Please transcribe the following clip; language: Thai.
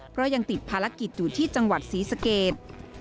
เพราะยังติดภารกิจอยู่ที่จังหวัดศรีสเกต